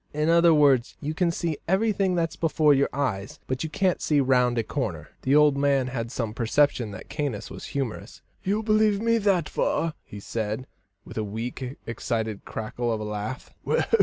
"In other words, you can see everything that's before your eyes, but you can't see round a corner." The old man had some perception that Caius was humorous. "You believe me that far," he said, with a weak, excited cackle of a laugh.